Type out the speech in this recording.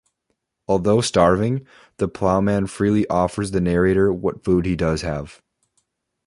Although starving, the Plowman freely offers the narrator what food he does have.